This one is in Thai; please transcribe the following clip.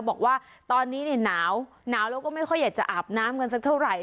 บอกว่าตอนนี้เนี่ยหนาวหนาวแล้วก็ไม่ค่อยอยากจะอาบน้ำกันสักเท่าไหร่